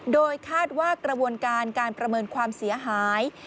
โดยคาดว่ากระบวนการการประเมินความเสียหาย